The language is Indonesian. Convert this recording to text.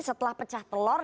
setelah pecah telor